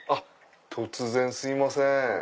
突然すいません。